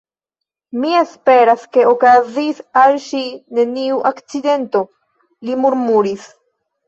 Mi esperas, ke okazis al ŝi neniu akcidento, li murmuris.